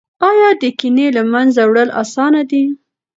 ایا د کینې له منځه وړل اسانه دي؟